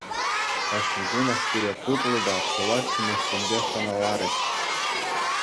Кашни кунах пире тутлӑ та пылак ҫимӗҫсемпе хӑналарӗҫ.